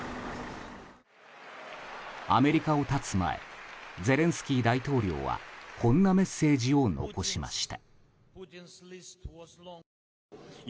アメリカを発つ前ゼレンスキー大統領はこんなメッセージを残しました。